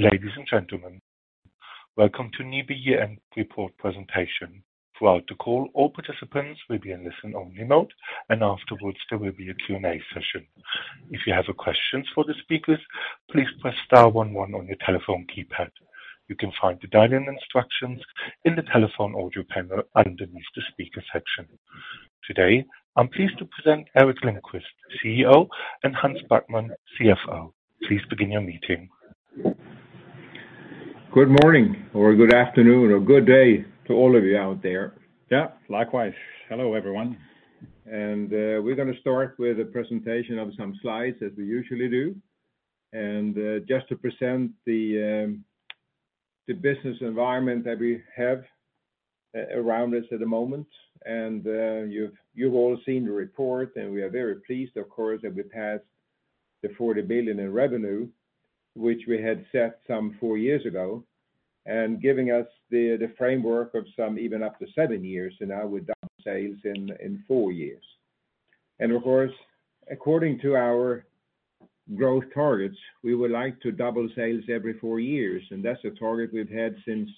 Ladies and gentlemen, welcome to NIBE Year-End Report Presentation. Throughout the call, all participants will be in listen only mode, and afterwards there will be a Q&A session. If you have a questions for the speakers, please press star one one on your telephone keypad. You can find the dial-in instructions in the telephone audio panel underneath the speaker section. Today, I'm pleased to present Gerteric Lindquist, CEO, and Hans Backman, CFO. Please begin your meeting. Good morning or good afternoon or good day to all of you out there. Yeah, likewise. Hello, everyone. We're gonna start with a presentation of some slides as we usually do, and just to present the business environment that we have around us at the moment. You've all seen the report, and we are very pleased, of course, that we passed the 40 billion in revenue, which we had set some four years ago, and giving us the framework of some even up to seven years, and now we've doubled sales in four years. Of course, according to our growth targets, we would like to double sales every four years, and that's a target we've had since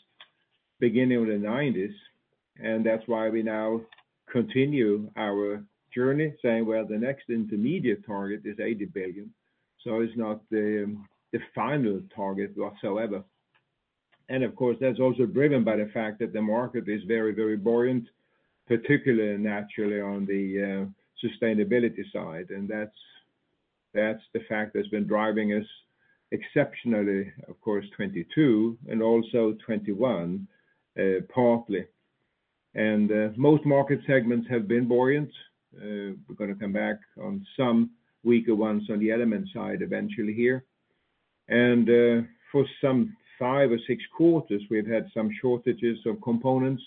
beginning of the 1990s, and that's why we now continue our journey, saying, well, the next intermediate target is 80 billion, so it's not the final target whatsoever. That's also driven by the fact that the market is very, very buoyant, particularly naturally on the sustainability side, that's the fact that's been driving us exceptionally, of course, 2022 and also 2021, partly. Most market segments have been buoyant. We're gonna come back on some weaker ones on the Element side eventually here. For some five or six quarters, we've had some shortages of components.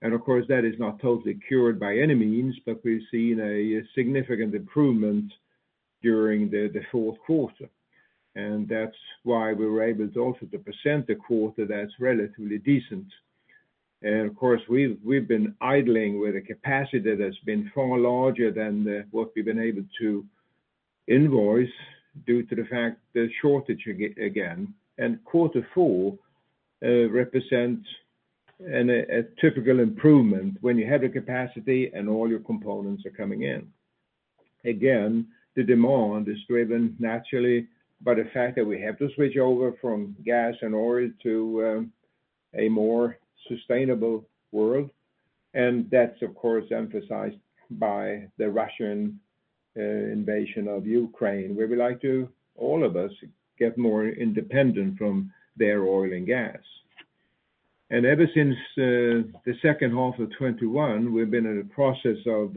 That is not totally cured by any means, but we've seen a significant improvement during the fourth quarter. That's why we were able also to present a quarter that's relatively decent. We've been idling with a capacity that's been far larger than what we've been able to invoice due to the fact the shortage again. Quarter four represents a typical improvement when you have the capacity and all your components are coming in. The demand is driven naturally by the fact that we have to switch over from gas and oil to a more sustainable world, and that's of course emphasized by the Russian invasion of Ukraine, where we like to, all of us, get more independent from their oil and gas. Ever since the second half of 2021, we've been in a process of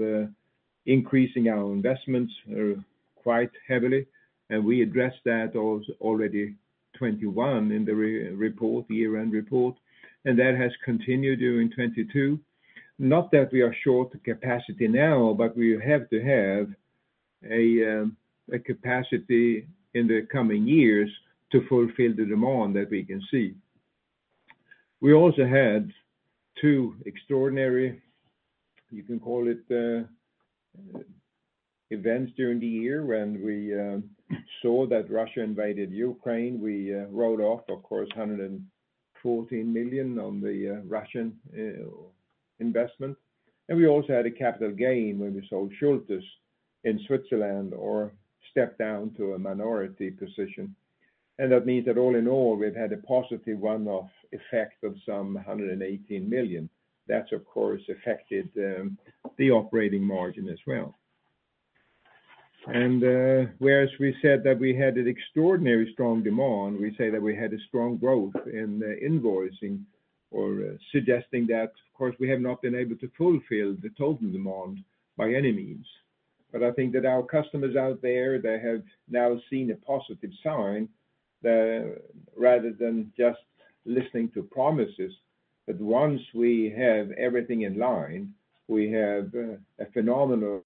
increasing our investments quite heavily, and we addressed that already 2021 in the year-end report, and that has continued during 2022. Not that we are short capacity now, but we have to have a capacity in the coming years to fulfill the demand that we can see. We also had two extraordinary, you can call it, events during the year when we saw that Russia invaded Ukraine. We wrote off, of course, 114 million on the Russian investment. We also had a capital gain when we sold Schulthess in Switzerland or stepped down to a minority position. That means that all in all, we've had a positive one-off effect of some 118 million. That's, of course, affected the operating margin as well. Whereas we said that we had an extraordinary strong demand, we say that we had a strong growth in invoicing or suggesting that, of course, we have not been able to fulfill the total demand by any means. I think that our customers out there, they have now seen a positive sign, rather than just listening to promises, that once we have everything in line, we have a phenomenal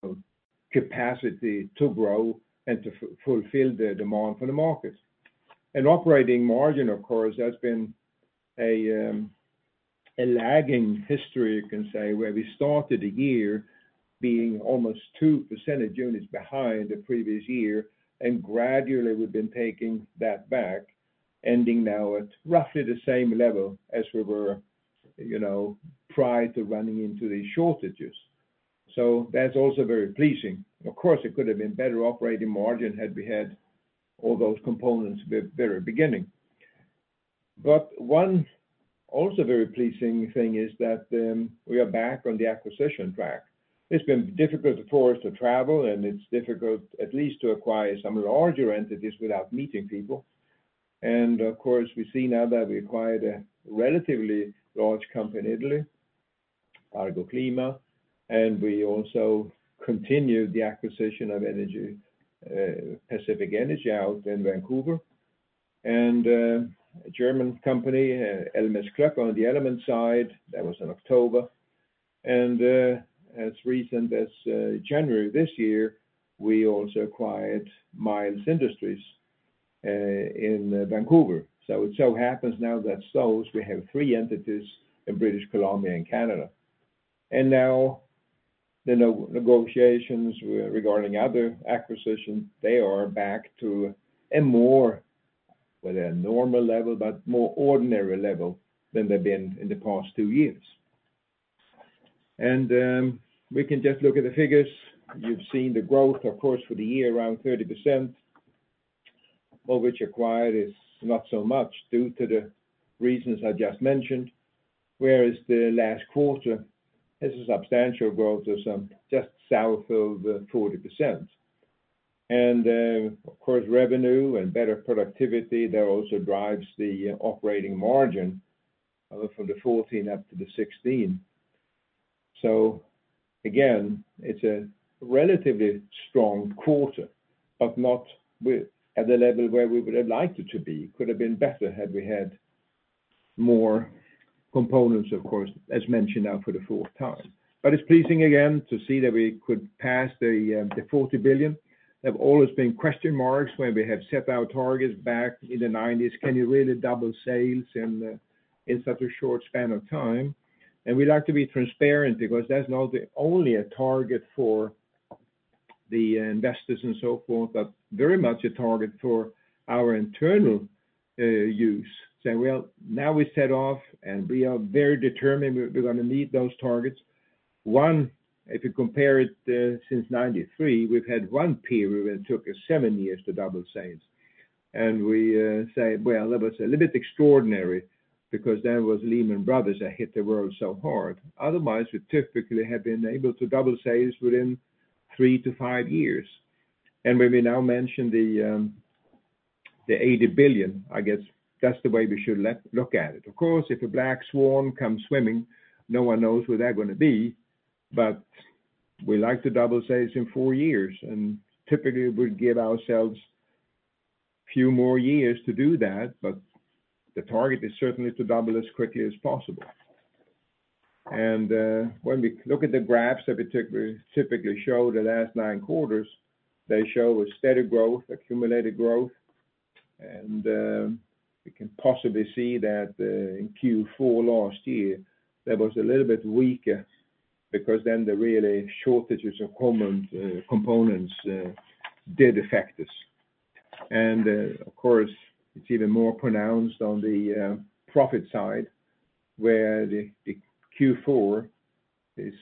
capacity to grow and to fulfill the demand for the market. Operating margin, of course, that's been a lagging history, you can say, where we started the year being almost 2 percentage units behind the previous year, and gradually we've been taking that back, ending now at roughly the same level as we were, you know, prior to running into these shortages. That's also very pleasing. Of course, it could have been better operating margin had we had all those components very beginning. One also very pleasing thing is that we are back on the acquisition track. It's been difficult for us to travel, and it's difficult at least to acquire some larger entities without meeting people. Of course, we see now that we acquired a relatively large company in Italy, Argoclima, and we also continued the acquisition of Energy, Pacific Energy out in Vancouver, and a German company, ELMESS-Klöpper on the Element side, that was in October. As recent as January this year, we also acquired Miles Industries in Vancouver. It so happens now that we have three entities in British Columbia and Canada. The negotiations regarding other acquisitions, they are back to a more, well, a normal level, but more ordinary level than they've been in the past two years. We can just look at the figures. You've seen the growth, of course, for the year, around 30%. Over which acquired is not so much due to the reasons I just mentioned, whereas the last quarter is a substantial growth of some just south of 40%. Of course, revenue and better productivity, that also drives the operating margin from the 14% up to the 16%. Again, it's a relatively strong quarter, but not at the level where we would have liked it to be. Could have been better had we had more components, of course, as mentioned now for the fourth time. It's pleasing again to see that we could pass the 40 billion. There have always been question marks when we have set our targets back in the 1990s, can you really double sales in such a short span of time? We like to be transparent because that's not the only target for the investors and so forth, but very much a target for our internal use. Say, well, now we set off, we are very determined we're gonna meet those targets. one, if you compare it, since 1993, we've had one period where it took us seven years to double sales. We, say, well, that was a little bit extraordinary because that was Lehman Brothers that hit the world so hard. Otherwise, we typically have been able to double sales within three years-five years. When we now mention the 80 billion, I guess that's the way we should look at it. Of course, if a black swan comes swimming, no one knows where they're gonna be. We like to double sales in four years, typically we give ourselves few more years to do that, the target is certainly to double as quickly as possible. When we look at the graphs that we typically show the last nine quarters, they show a steady growth, accumulated growth. We can possibly see that in Q4 last year, that was a little bit weaker because then the really shortages of common components did affect us. Of course, it's even more pronounced on the profit side, where the Q4 is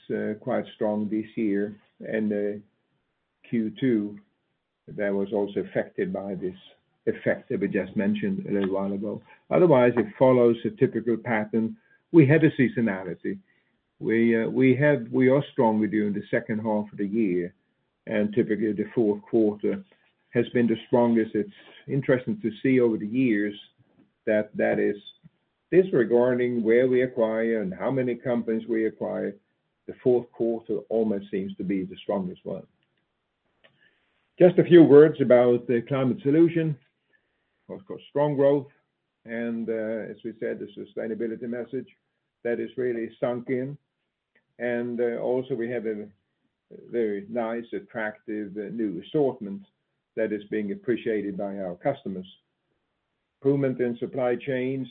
quite strong this year, and Q2, that was also affected by this effect that we just mentioned a little while ago. Otherwise, it follows a typical pattern. We have a seasonality. We are strong during the second half of the year, and typically, the fourth quarter has been the strongest. It's interesting to see over the years that that is disregarding where we acquire and how many companies we acquire, the fourth quarter almost seems to be the strongest one. Just a few words about the climate solution. Of course, strong growth, and, as we said, the sustainability message, that has really sunk in. Also we have a very nice, attractive, new assortment that is being appreciated by our customers. Improvement in supply chains,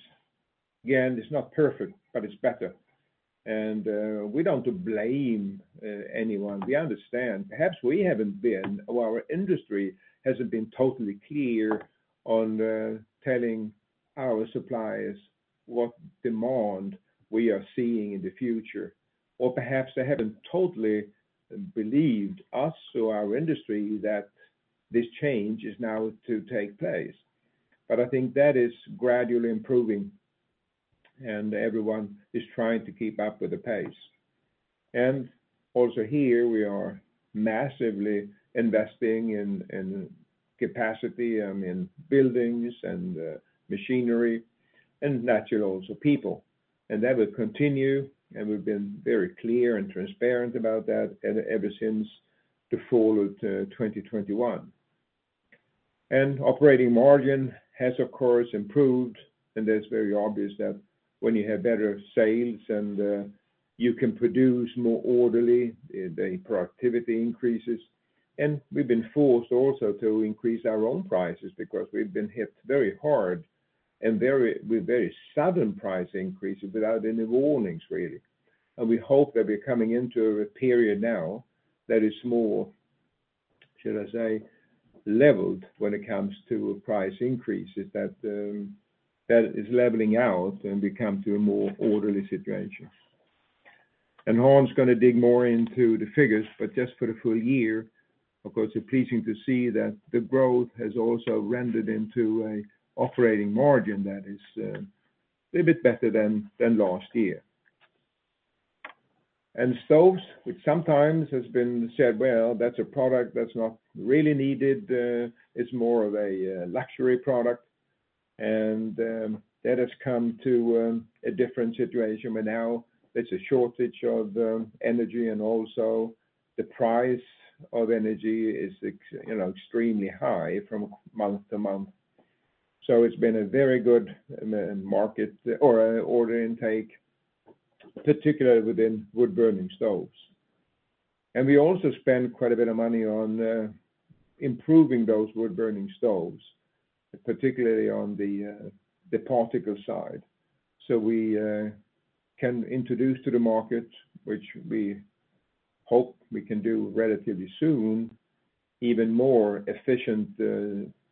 again, it's not perfect, but it's better. We don't blame anyone. We understand. Perhaps we haven't been, or our industry hasn't been totally clear on, telling our suppliers what demand we are seeing in the future, or perhaps they haven't totally believed us or our industry that this change is now to take place. I think that is gradually improving and everyone is trying to keep up with the pace. Also here we are massively investing in capacity, in buildings and machinery and naturally also people. That will continue, and we've been very clear and transparent about that ever since the fall of 2021. Operating margin has of course improved, and that's very obvious that when you have better sales and, you can produce more orderly, the productivity increases. We've been forced also to increase our own prices because we've been hit very hard and with very sudden price increases without any warnings really. We hope that we're coming into a period now that is more, should I say, leveled when it comes to price increases, that is leveling out and we come to a more orderly situation. Hans is gonna dig more into the figures, but just for the full year, of course, it's pleasing to see that the growth has also rendered into a operating margin that is a little bit better than last year. Stoves, which sometimes has been said, "Well, that's a product that's not really needed, it's more of a luxury product." That has come to a different situation where now there's a shortage of energy and also the price of energy is, you know, extremely high from month to month. It's been a very good market or order intake, particularly within wood-burning stoves. We also spend quite a bit of money on improving those wood burning stoves, particularly on the particle side. We can introduce to the market, which we hope we can do relatively soon, even more efficient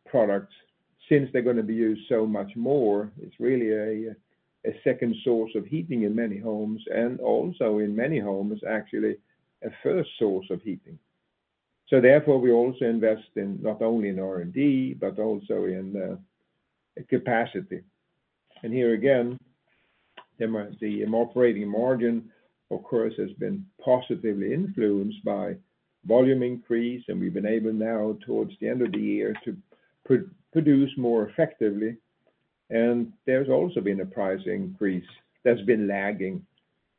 products since they're gonna be used so much more. It's really a second source of heating in many homes, and also in many homes, actually a first source of heating. Therefore, we also invest in not only in R&D, but also in capacity. Here again, the operating margin, of course, has been positively influenced by volume increase, and we've been able now towards the end of the year to produce more effectively. There's also been a price increase that's been lagging.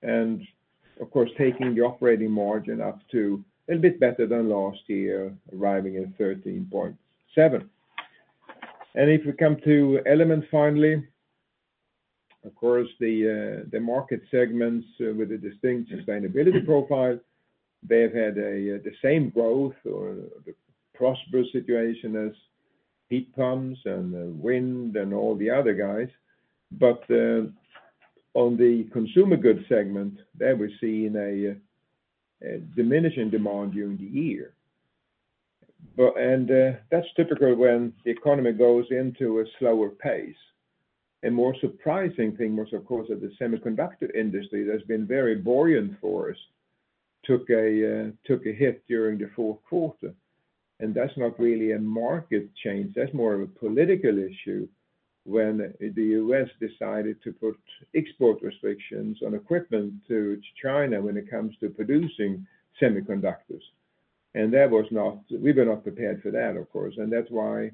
Of course, taking the operating margin up to a little bit better than last year, arriving at 13.7%. If you come to Elements finally, of course, the market segments with a distinct sustainability profile, they have had the same growth or the prosperous situation as heat pumps and wind and all the other guys. On the consumer goods segment, there we're seeing a diminishing demand during the year. That's typical when the economy goes into a slower pace. A more surprising thing was, of course, that the semiconductor industry, that's been very buoyant for us, took a hit during the fourth quarter, and that's not really a market change, that's more of a political issue when the U.S. decided to put export restrictions on equipment to China when it comes to producing semiconductors. That was not, we were not prepared for that, of course, and that's why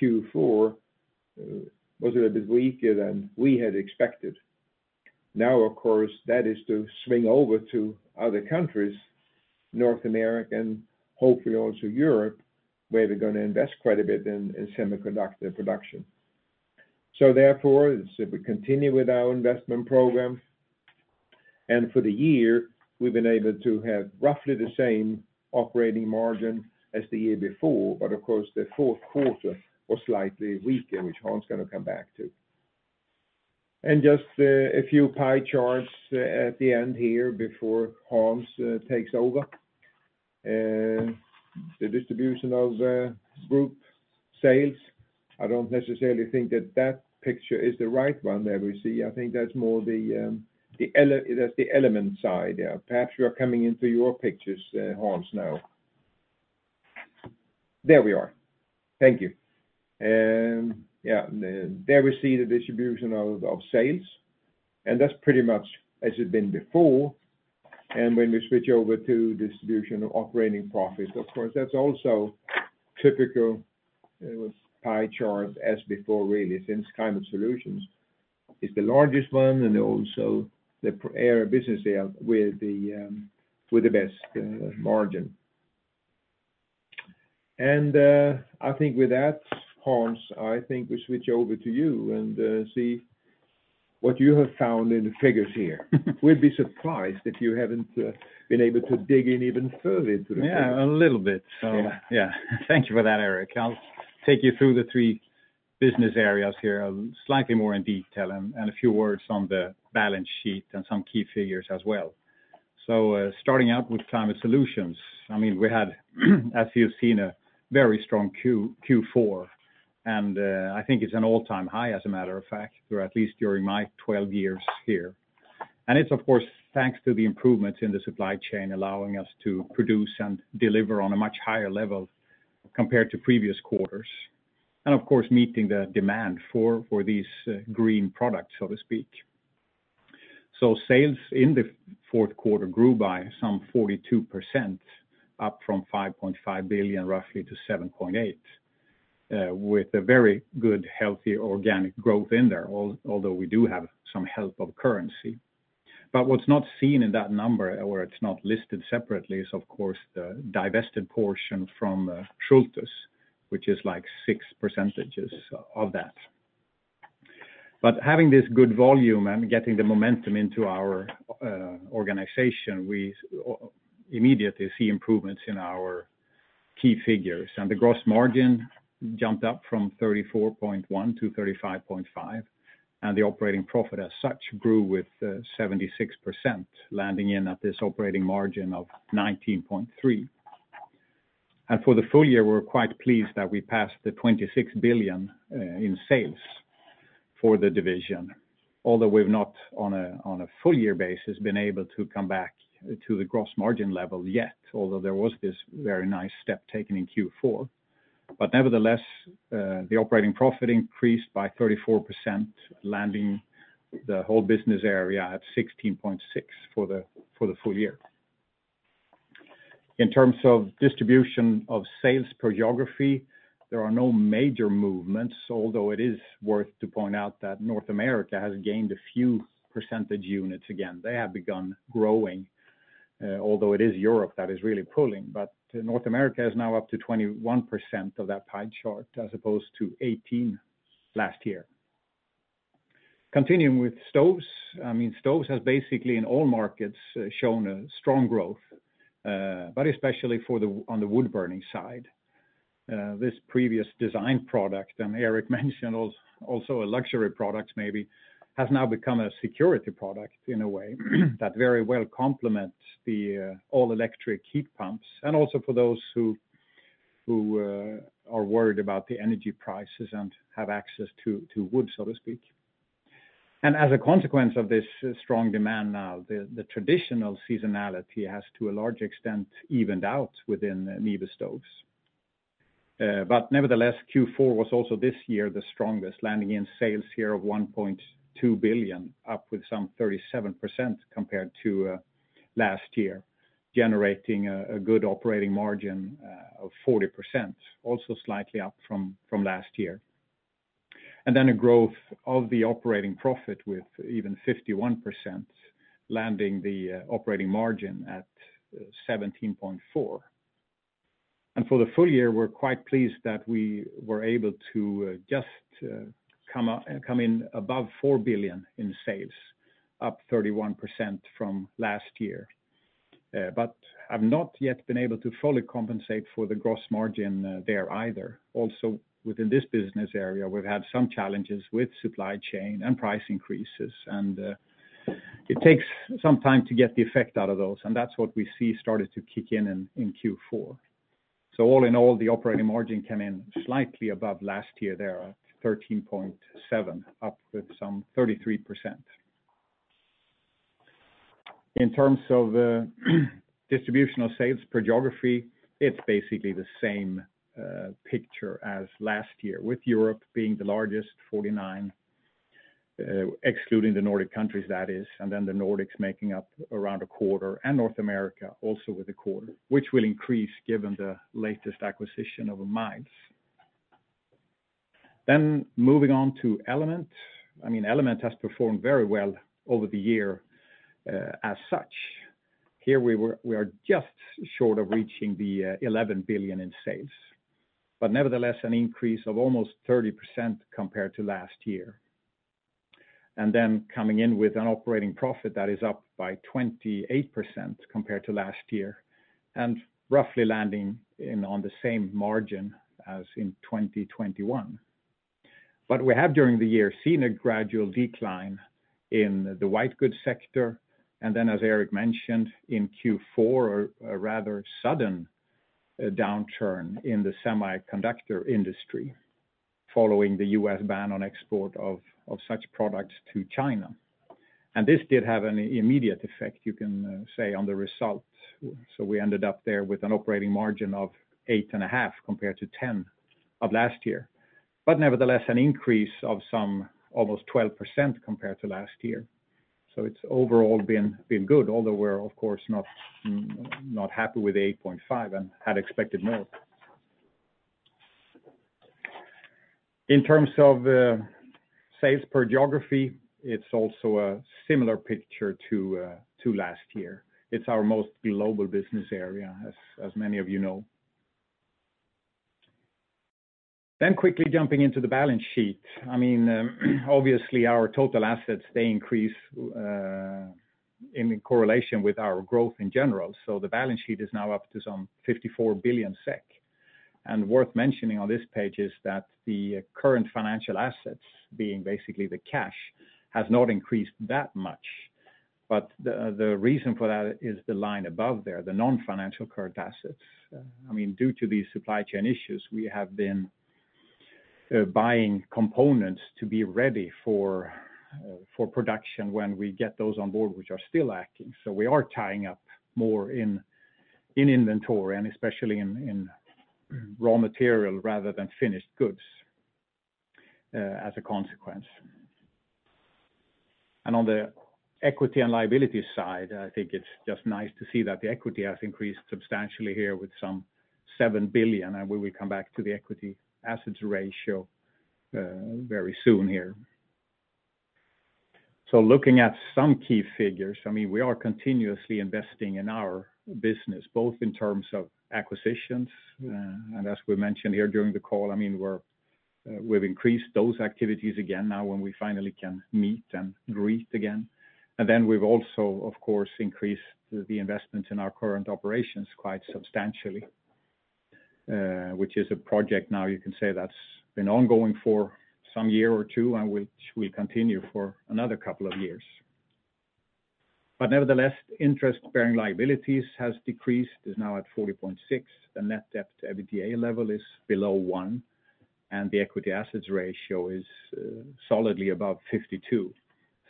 Q4 was a little weaker than we had expected. Now, of course, that is to swing over to other countries, North America and hopefully also Europe, where they're gonna invest quite a bit in semiconductor production. Therefore, as if we continue with our investment program, and for the year, we've been able to have roughly the same operating margin as the year before. Of course, the fourth quarter was slightly weaker, which Hans is going to come back to. Just a few pie charts at the end here before Hans takes over. The distribution of group sales. I don't necessarily think that that picture is the right one there we see. I think that's more the, that's the Element side, yeah. Perhaps we are coming into your pictures, Hans now. There we are. Thank you. Yeah, there we see the distribution of sales, and that's pretty much as it's been before. When we switch over to distribution of operating profits, of course, that's also typical pie chart as before really, since Climate Solutions is the largest one and also the air business they have with the best margin. I think with that, Hans, I think we switch over to you and, see what you have found in the figures here. We'd be surprised if you haven't, been able to dig in even further into the figures. Yeah, a little bit. Yeah. Yeah. Thank you for that, Erik. I'll take you through the three business areas here, slightly more in detail and a few words on the balance sheet and some key figures as well. Starting out with Climate Solutions, I mean, we had, as you've seen, a very strong Q4, I think it's an all-time high as a matter of fact, or at least during my 12 years here. It's of course, thanks to the improvements in the supply chain, allowing us to produce and deliver on a much higher level compared to previous quarters. Of course, meeting the demand for these green products, so to speak. Sales in the fourth quarter grew by some 42%, up from 5.5 billion, roughly to 7.8 billion with a very good, healthy organic growth in there, although we do have some help of currency. What's not seen in that number or it's not listed separately is of course the divested portion from Schulthess, which is like 6% of that. Having this good volume and getting the momentum into our organization, we immediately see improvements in our key figures. The gross margin jumped up from 34.1%-5.5%, and the operating profit as such grew with 76%, landing in at this operating margin of 19.3%. For the full year, we're quite pleased that we passed 26 billion in sales for the division, although we've not, on a full year basis, been able to come back to the gross margin level yet, although there was this very nice step taken in Q4. Nevertheless, the operating profit increased by 34%, landing the whole business area at 16.6 billion for the full year. In terms of distribution of sales per geography, there are no major movements, although it is worth to point out that North America has gained a few percentage units again. They have begun growing, although it is Europe that is really pulling. North America is now up to 21% of that pie chart, as opposed to 18% last year. Continuing with stoves. I mean, stoves has basically in all markets shown a strong growth, but especially on the wood-burning side. This previous design product, and Eric mentioned also a luxury product maybe, has now become a security product in a way that very well complements the all-electric heat pumps, and also for those who are worried about the energy prices and have access to wood, so to speak. As a consequence of this strong demand now, the traditional seasonality has to a large extent evened out within NIBE Stoves. Nevertheless, Q4 was also this year the strongest, landing in sales here of 1.2 billion, up with some 37% compared to last year, generating a good operating margin of 40%, also slightly up from last year. A growth of the operating profit with even 51%, landing the operating margin at 17.4%. For the full year, we're quite pleased that we were able to just come in above 4 billion in sales, up 31% from last year. Have not yet been able to fully compensate for the gross margin there either. Also, within this business area, we've had some challenges with supply chain and price increases, and it takes some time to get the effect out of those, and that's what we see started to kick in in Q4. All in all, the operating margin came in slightly above last year there at 13.7%, up with some 33%. In terms of distribution of sales per geography, it's basically the same picture as last year, with Europe being the largest 49%, excluding the Nordic countries, that is, and then the Nordics making up around 25%, and North America also with 25%, which will increase given the latest acquisition of Miles. Moving on to Element. I mean, Element has performed very well over the year, as such. Here we are just short of reaching the 11 billion in sales, but nevertheless, an increase of almost 30% compared to last year. Coming in with an operating profit that is up by 28% compared to last year, and roughly landing on the same margin as in 2021. We have during the year seen a gradual decline in the white goods sector. As Erik mentioned, in Q4, a rather sudden downturn in the semiconductor industry following the U.S. ban on export of such products to China. This did have an immediate effect, you can say, on the results. We ended up there with an operating margin of 8.5% compared to 10% of last year. Nevertheless, an increase of some almost 12% compared to last year. It's overall been good, although we're of course not happy with 8.5% and had expected more. In terms of sales per geography, it's also a similar picture to last year. It's our most global business area, as many of you know. Quickly jumping into the balance sheet. I mean, obviously our total assets, they increase in correlation with our growth in general. The balance sheet is now up to some 54 billion SEK. Worth mentioning on this page is that the current financial assets, being basically the cash, has not increased that much. The reason for that is the line above there, the non-financial current assets. I mean, due to these supply chain issues, we have been buying components to be ready for production when we get those on board which are still lacking. We are tying up more in inventory, and especially in raw material rather than finished goods as a consequence. On the equity and liability side, I think it's just nice to see that the equity has increased substantially here with some 7 billion, and we will come back to the equity assets ratio very soon here. Looking at some key figures, I mean, we are continuously investing in our business, both in terms of acquisitions, and as we mentioned here during the call, I mean, we're, we've increased those activities again now when we finally can meet and greet again. We've also, of course, increased the investments in our current operations quite substantially, which is a project now you can say that's been ongoing for some year or two and which will continue for another couple of years. Interest-bearing liabilities has decreased, is now at 40.6%. The net debt to EBITDA level is below 1, and the equity assets ratio is solidly above 52%.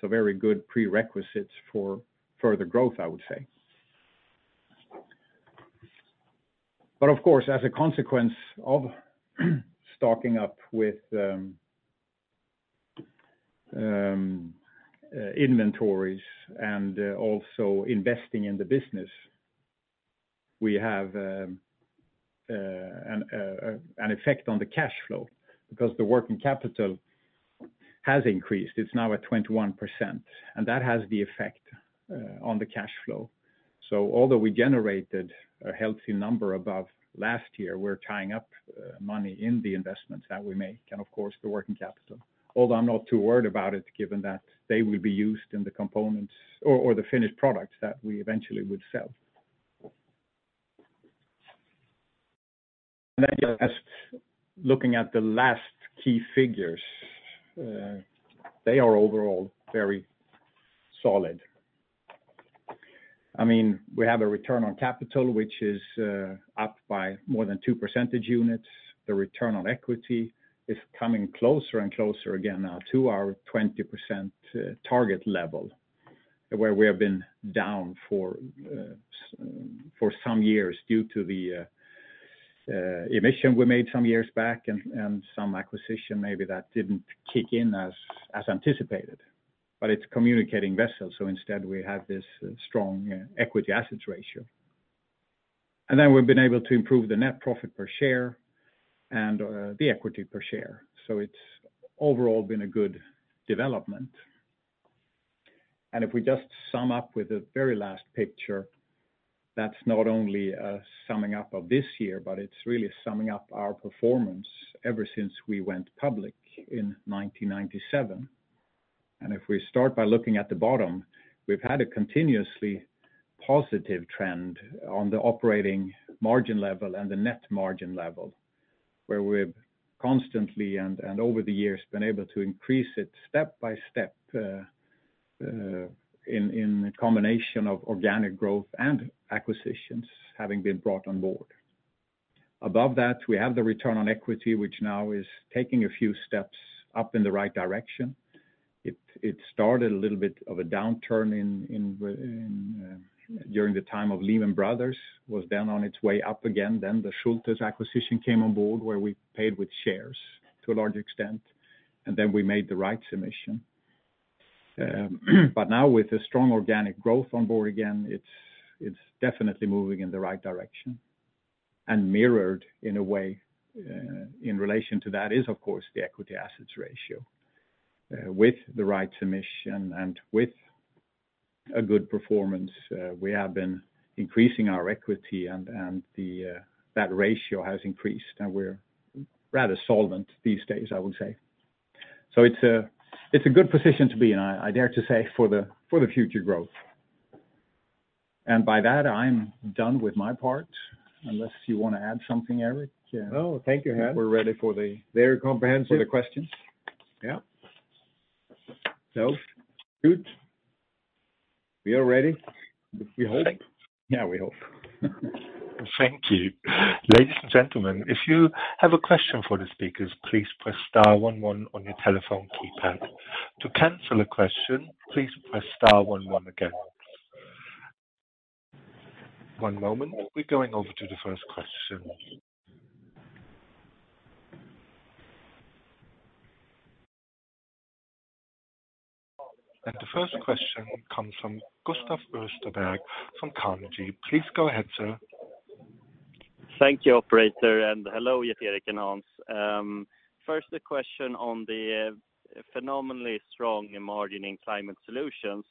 Very good prerequisites for further growth, I would say. Of course, as a consequence of stocking up with inventories and also investing in the business, we have an effect on the cash flow because the working capital has increased. It's now at 21%, that has the effect on the cash flow. Although we generated a healthy number above last year, we're tying up money in the investments that we make and of course the working capital. Although I'm not too worried about it, given that they will be used in the components or the finished products that we eventually would sell. Just looking at the last key figures, they are overall very solid. I mean, we have a return on capital which is up by more than two percentage units. The return on equity is coming closer and closer again now to our 20% target level, where we have been down for some years due to the emission we made some years back and some acquisition maybe that didn't kick in as anticipated. It's communicating vessels, so instead we have this strong equity assets ratio. We've been able to improve the net profit per share and the equity per share. It's overall been a good development. If we just sum up with the very last picture, that's not only a summing up of this year, but it's really summing up our performance ever since we went public in 1997. If we start by looking at the bottom, we've had a continuously positive trend on the operating margin level and the net margin level, where we've constantly and over the years been able to increase it step by step, in a combination of organic growth and acquisitions having been brought on board. Above that, we have the return on equity, which now is taking a few steps up in the right direction. It started a little bit of a downturn in during the time of Lehman Brothers. Was then on its way up again, then the Schulthess acquisition came on board, where we paid with shares to a large extent, and then we made the rights issue. Now with the strong organic growth on board again, it's definitely moving in the right direction, and mirrored in a way, in relation to that is of course the equity assets ratio. With the rights issue and with a good performance, we have been increasing our equity and that ratio has increased, and we're rather solvent these days, I would say. It's a good position to be in, I dare to say, for the future growth. By that, I'm done with my part, unless you wanna add something, Eric? No. Thank you, Hans. I think we're ready for. Very comprehensive. For the questions. Yeah. good. We are ready, we hope. Yeah, we hope. Thank you. Ladies and gentlemen, if you have a question for the speakers, please press star one one on your telephone keypad. To cancel a question, please press star one one again. One moment. We're going over to the first question. The first question comes from Gustav Österberg from Carnegie. Please go ahead, sir. Thank you, operator, hello, Gerteric, and Hans. First a question on the phenomenally strong margin in Climate Solutions.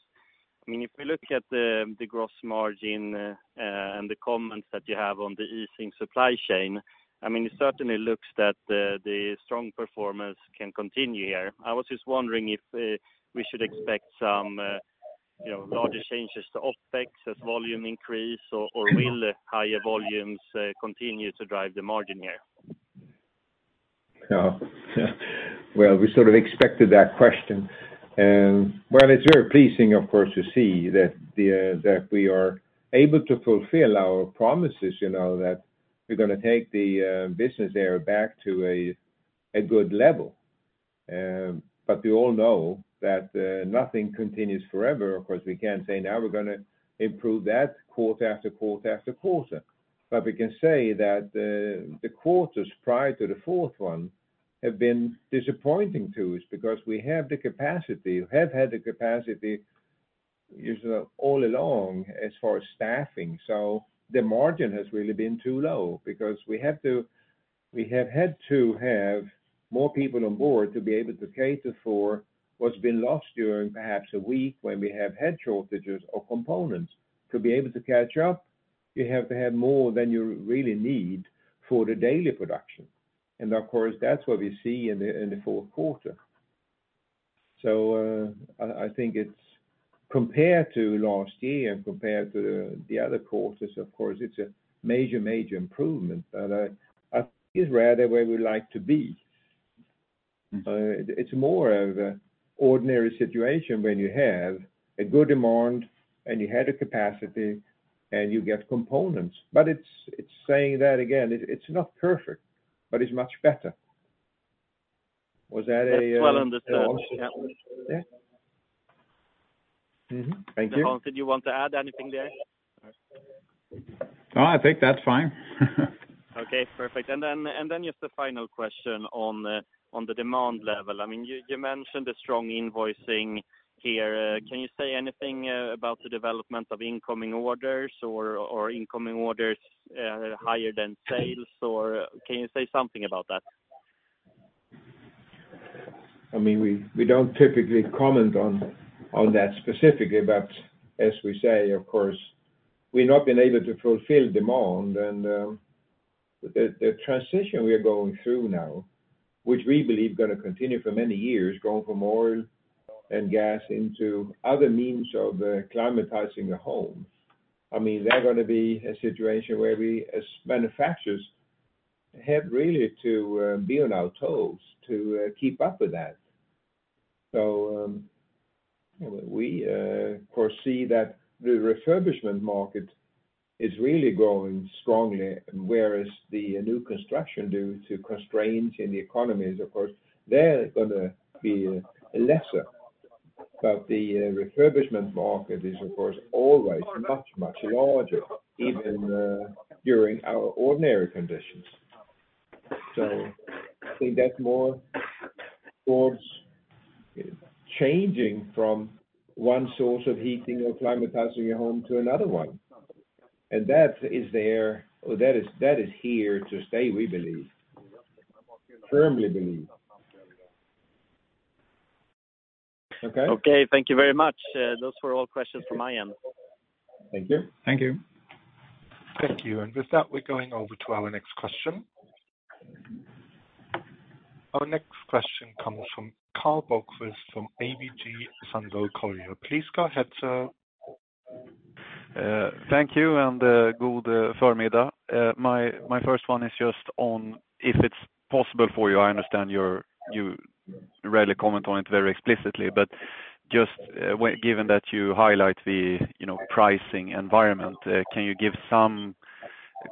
I mean, if we look at the gross margin, and the comments that you have on the easing supply chain, I mean, it certainly looks that the strong performance can continue here. I was just wondering if we should expect some, you know, larger changes to OPEX as volume increase or will higher volumes, continue to drive the margin here? Oh. We sort of expected that question. It's very pleasing of course to see that the that we are able to fulfill our promises, you know, that we're gonna take the business area back to a good level. We all know that nothing continues forever. Of course, we can't say now we're gonna improve that quarter after quarter after quarter. We can say that the quarters prior to the fourth one have been disappointing to us because we have the capacity, have had the capacity all along as far as staffing. The margin has really been too low because we have had to have more people on board to be able to cater for what's been lost during perhaps a week when we have had shortages of components. To be able to catch up, you have to have more than you really need for the daily production. Of course, that's what we see in the, in the fourth quarter. I think it's compared to last year and compared to the other quarters, of course, it's a major improvement. I think it's rather where we like to be. Mm-hmm. It's more of a ordinary situation when you have a good demand and you have the capacity and you get components. It's saying that again, it's not perfect, but it's much better. Was that a? That's well understood. Yeah. Yeah? Mm-hmm. Thank you. Hans, did you want to add anything there? No, I think that's fine. Okay. Perfect. Then, just a final question on the demand level. I mean, you mentioned the strong invoicing here. Can you say anything about the development of incoming orders or incoming orders higher than sales? Can you say something about that? I mean, we don't typically comment on that specifically, but as we say, of course, we've not been able to fulfill demand and the transition we are going through now, which we believe gonna continue for many years, going from oil and gas into other means of climatizing the home. I mean, they're gonna be a situation where we as manufacturers have really to be on our toes to keep up with that. We foresee that the refurbishment market is really growing strongly, whereas the new construction due to constraints in the economy is of course, they're gonna be lesser. The refurbishment market is of course always much, much larger, even during our ordinary conditions. I think that's more towards changing from one source of heating or climatizing your home to another one. That is here to stay, we believe. Firmly believe. Okay? Okay. Thank you very much. Those were all questions from my end. Thank you. Thank you. Thank you. With that, we're going over to our next question. Our next question comes from Karl Bokvist from ABG Sundal Collier. Please go ahead, sir. Thank you. My first one is just on if it's possible for you. I understand you rarely comment on it very explicitly. Just given that you highlight the, you know, pricing environment, can you give some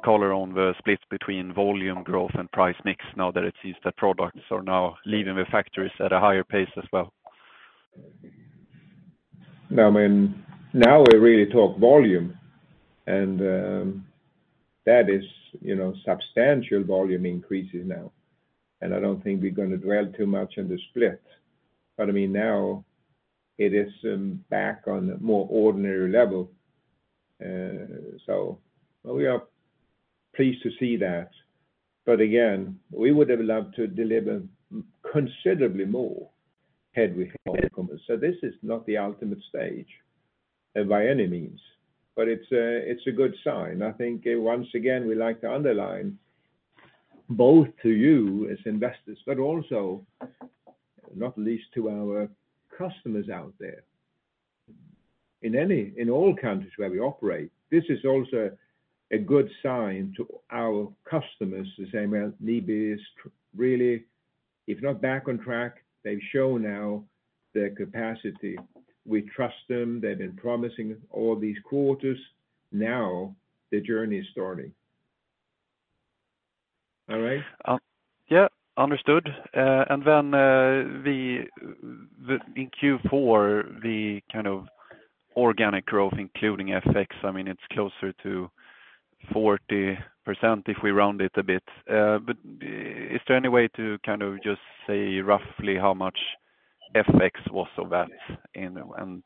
color on the split between volume growth and price mix now that it sees the products are now leaving the factories at a higher pace as well? No, I mean, now we really talk volume, and that is, you know, substantial volume increases now. I don't think we're gonna dwell too much in the split. I mean, now it is back on a more ordinary level. We are pleased to see that. Again, we would have loved to deliver considerably more had we had So this is not the ultimate stage by any means, but it's a, it's a good sign. I think once again, we like to underline both to you as investors, but also not least to our customers out there. In all countries where we operate, this is also a good sign to our customers to say, well, NIBE is really, if not back on track, they show now their capacity. We trust them. They've been promising all these quarters. Now the journey is starting. All right? Yeah, understood. In Q4, the kind of organic growth, including FX, I mean, it's closer to 40% if we round it a bit. Is there any way to kind of just say roughly how much FX was of that and,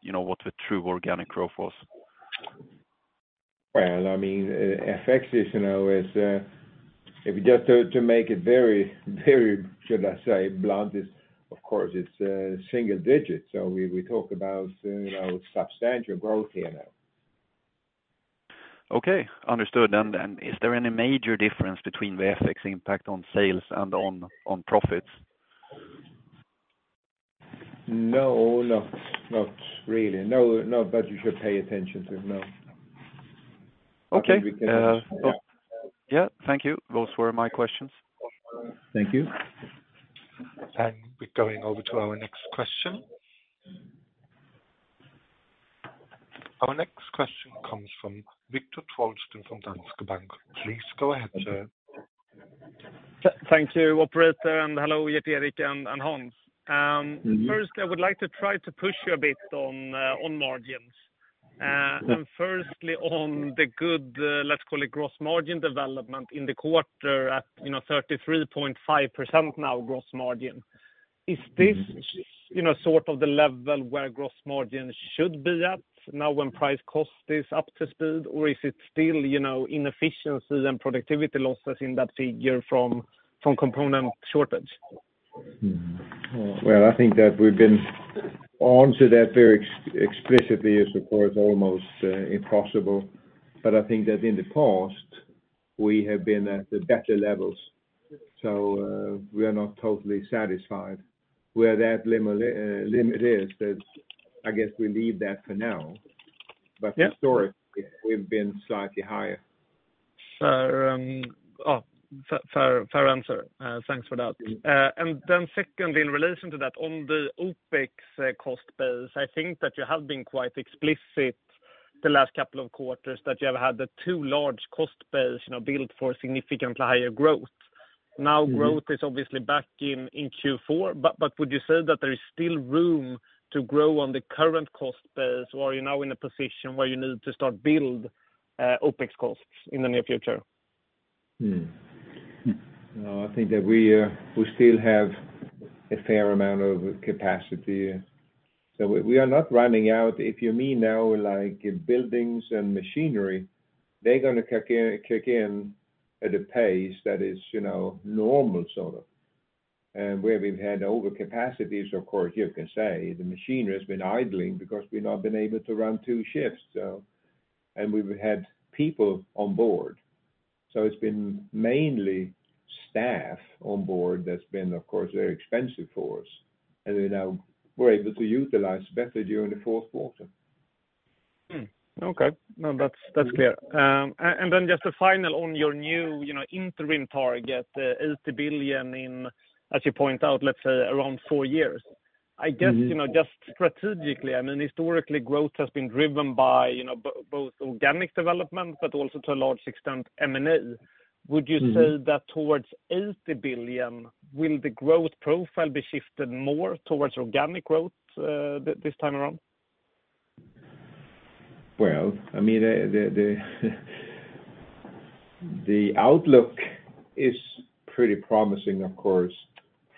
you know, what the true organic growth was? Well, I mean, FX is, you know, is, if just to make it very, very, should I say, blunt, is of course it's single digits. We talk about, you know, substantial growth here now. Okay. Understood. Is there any major difference between the FX impact on sales and on profits? No, not really. No, not that you should pay attention to, no. Okay. Yeah. Thank you. Those were my questions. Thank you. We're going over to our next question. Our next question comes from Viktor Trollsten from Danske Bank. Please go ahead, sir. Thank you, operator. Hello, Gerteric and Hans. First, I would like to try to push you a bit on margins. Firstly, on the good, let's call it gross margin development in the quarter at, you know, 33.5% now gross margin. Is this, you know, sort of the level where gross margin should be at now when price cost is up to speed? Is it still, you know, inefficiencies and productivity losses in that figure from component shortage? I think that we've been on to that very explicitly is, of course, almost impossible. I think that in the past, we have been at the better levels. We are not totally satisfied where that limit is. That's, I guess, we leave that for now. Yeah. Historically, we've been slightly higher. Fair, oh, fair answer. Thanks for that. Second, in relation to that, on the OPEX cost base, I think that you have been quite explicit the last couple of quarters that you have had the two large cost base, you know, built for significantly higher growth. Now, growth is obviously back in Q4, but would you say that there is still room to grow on the current cost base, or are you now in a position where you need to start build OPEX costs in the near future? No, I think that we still have a fair amount of capacity. We are not running out. If you mean now like buildings and machinery, they're gonna kick in at a pace that is, you know, normal sort of. Where we've had over capacities, of course, you can say the machinery has been idling because we've not been able to run two shifts. We've had people on board. It's been mainly staff on board that's been, of course, very expensive for us. Now we're able to utilize better during the fourth quarter. Okay. No, that's clear. Just a final on your new, you know, interim target, 80 billion in, as you point out, let's say around 4 years. Mm-hmm. I guess, you know, just strategically, I mean, historically growth has been driven by, you know, both organic development, but also to a large extent M&A. Mm-hmm. Would you say that towards 80 billion, will the growth profile be shifted more towards organic growth, this time around? Well, I mean, the outlook is pretty promising of course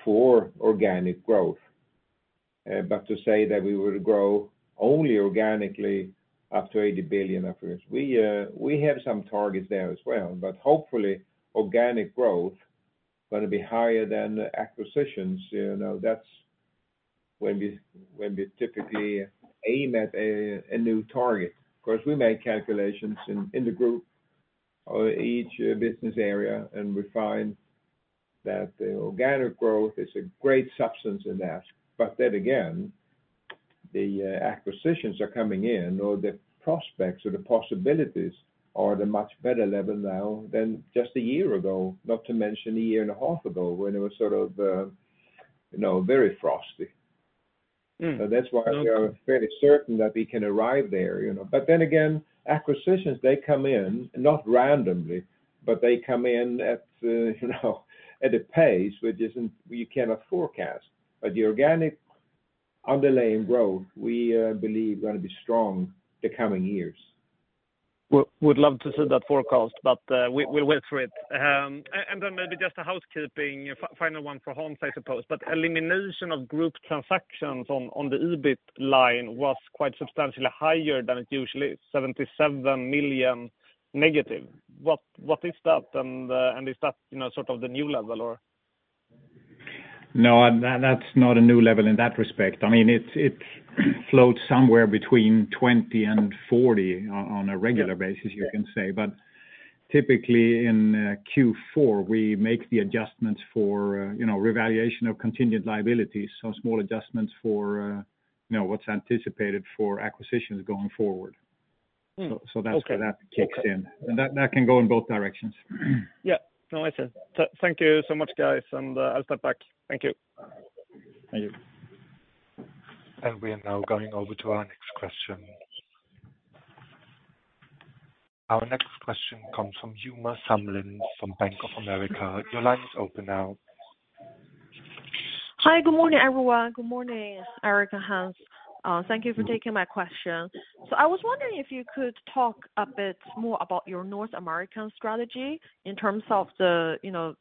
for organic growth. To say that we will grow only organically up to 80 billion, of course. We have some targets there as well, but hopefully organic growth gonna be higher than the acquisitions. You know, that's when we, when we typically aim at a new target. Of course, we make calculations in the group or each business area, and we find that the organic growth is a great substance in that. Then again, the acquisitions are coming in or the prospects or the possibilities are at a much better level now than just a year ago, not to mention a year and a half ago when it was sort of, you know, very frosty. Okay. That's why we are fairly certain that we can arrive there, you know. Again, acquisitions, they come in not randomly, but they come in at, you know, at a pace which you cannot forecast. The organic underlying growth we believe gonna be strong the coming years. Would love to see that forecast, but we'll wait for it. Then maybe just a housekeeping final one for Hans, I suppose. Elimination of group transactions on the EBIT line was quite substantially higher than it usually, 77 million negative. What is that? Is that, you know, sort of the new level or? No. That's not a new level in that respect. I mean, it floats somewhere between 20 and 40 on a regular basis, you can say. Typically in Q4, we make the adjustments for, you know, revaluation of continued liabilities. Small adjustments for, you know, what's anticipated for acquisitions going forward. Okay. That's where that kicks in. Okay. That can go in both directions. Yeah. No, I see. Thank you so much, guys, and, I'll step back. Thank you. Thank you. We are now going over to our next question. Our next question comes from Uma Samlin, from Bank of America. Your line is open now. Hi. Good morning, everyone. Good morning, Eric and Hans. Thank you for taking my question. I was wondering if you could talk a bit more about your North American strategy in terms of the, you know,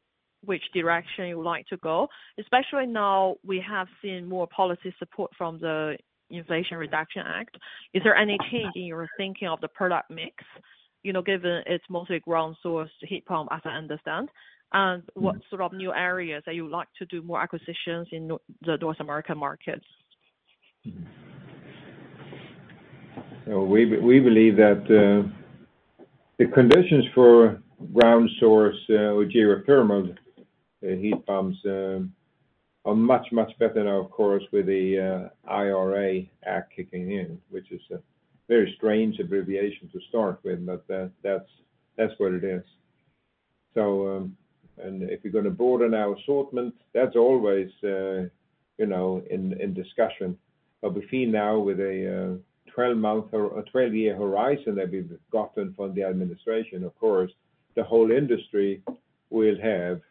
which direction you would like to go, especially now we have seen more policy support from the Inflation Reduction Act. Is there any change in your thinking of the product mix, you know, given it's mostly ground source heat pump, as I understand? What sort of new areas that you would like to do more acquisitions in the North America markets? We believe that the conditions for ground source with geothermal heat pumps are much, much better now, of course, with the IRA kicking in, which is a very strange abbreviation to start with, but that's what it is. If you're gonna broaden our assortment, that's always, you know, in discussion. But we feel now with a 12-month or a 12-year horizon that we've gotten from the administration, of course, the whole industry will have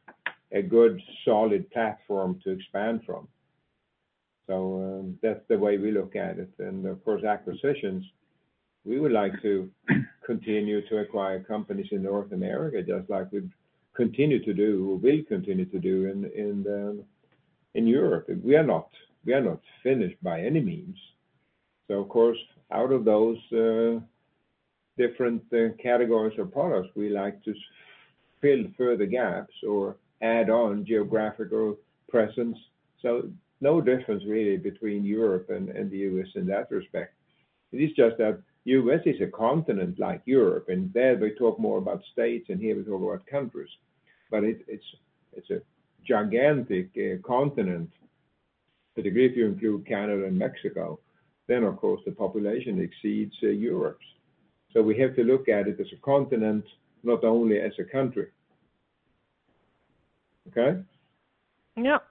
a good solid platform to expand from. That's the way we look at it. Of course, acquisitions, we would like to continue to acquire companies in North America, just like we've continued to do or will continue to do in Europe. We are not, we are not finished by any means. Of course, out of those different categories or products, we like to fill further gaps or add on geographical presence. No difference really between Europe and the U.S. in that respect. It is just that U.S. is a continent like Europe, and there we talk more about states, and here we talk about countries. It's a gigantic continent to the degree if you include Canada and Mexico, then of course the population exceeds Europe's. We have to look at it as a continent, not only as a country. Okay? Yep.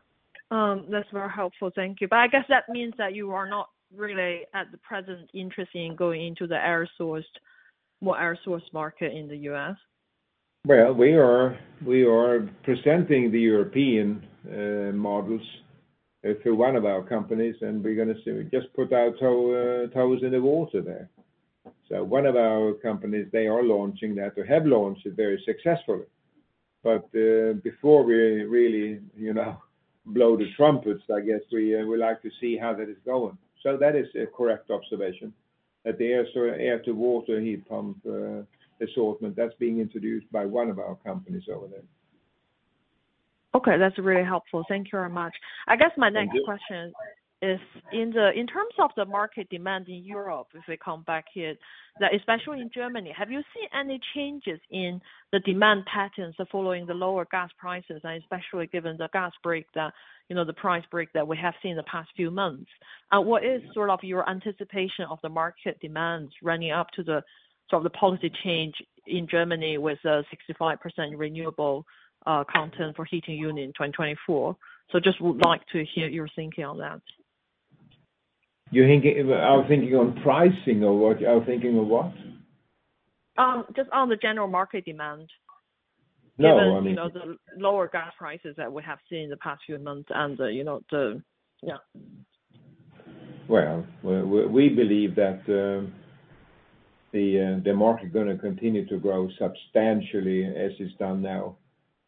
That's very helpful. Thank you. I guess that means that you are not really at the present interested in going into the more air sourced market in the U.S.? We are presenting the European models through one of our companies, and we're gonna see. We just put our toes in the water there. One of our companies, they are launching that, or have launched it very successfully. Before we really, you know, blow the trumpets, I guess we would like to see how that is going. That is a correct observation, that the air-to-water heat pump assortment that's being introduced by one of our companies over there. Okay. That's really helpful. Thank you very much. Thank you. I guess my next question is in terms of the market demand in Europe, if we come back here, that especially in Germany, have you seen any changes in the demand patterns following the lower gas prices, and especially given the gas break that, you know, the price break that we have seen in the past few months? What is sort of your anticipation of the market demands running up to the sort of the policy change in Germany with the 65% renewable content for heating unit in 2024? Just would like to hear your thinking on that. Are thinking on pricing or what? Are thinking of what? Just on the general market demand. No. Given, you know, the lower gas prices that we have seen in the past few months and the, you know, the... Yeah. Well, we believe that the market is gonna continue to grow substantially as it's done now.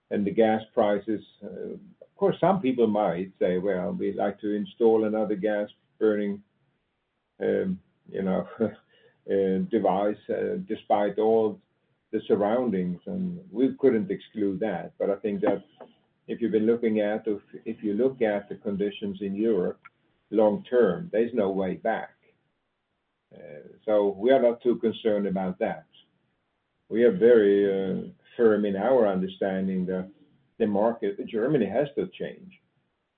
The gas prices, of course, some people might say, "Well, we'd like to install another gas-burning, you know, device, despite all the surroundings," and we couldn't exclude that. I think that if you've been looking at or if you look at the conditions in Europe long term, there's no way back. We are not too concerned about that. We are very firm in our understanding that the market, Germany has to change.